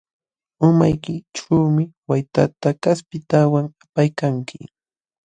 Umaykićhuumi waytata kaspintawan apaykanki.